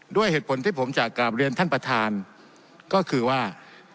ด้วยเหตุผลที่ผมจะกลับเรียนท่านประธานก็คือว่า